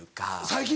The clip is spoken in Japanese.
最近？